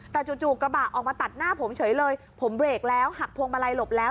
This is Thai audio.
แต่จู่กระบะออกมาตัดหน้าผมเฉยเลยผมเบรกแล้วหักพวงมาลัยหลบแล้ว